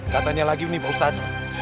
katanya lagi nih pak ustadz